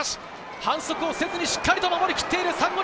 反則をせずにしっかりと守り切っているサンゴ